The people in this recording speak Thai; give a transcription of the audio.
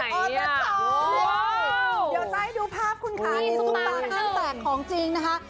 เดี๋ยวจะให้ดูภาพคุณค่ะนี่ซุปตาข้างแตกของจริงนะคะ